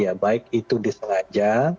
ya baik itu disengaja